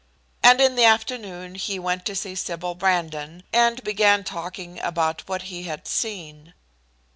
And in the afternoon he went to see Sybil Brandon, and began talking about what he had seen.